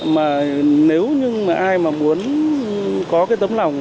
mà nếu như mà ai mà muốn có cái tấm lòng